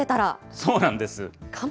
そうなんです。